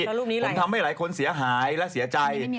แล้วรูปนี้อะไรผมทำให้หลายคนเสียหายและเสียใจ